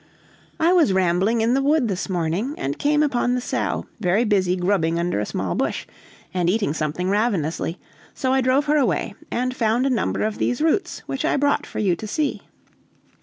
"I was rambling in the wood this morning, and came upon the sow, very busy grubbing under a small bush, and eating something ravenously; so I drove her away, and found a number of these roots, which I brought for you to see."